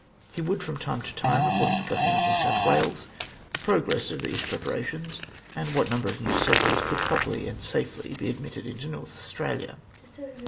He would from time to time report to the Governor of New South Wales the progress of these prepara tions, and what number of new settlers could properly and safely be admitted into North Australia.